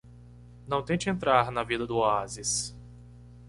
Não tente entrar na vida do oásis.